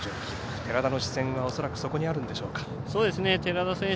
寺田の視線はおそらくそこにあるんでしょうか。